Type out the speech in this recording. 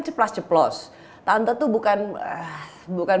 ceplas ceplos tante tuh bukan bukan